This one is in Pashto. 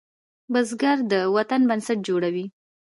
بزګر د وطن بنسټ جوړوي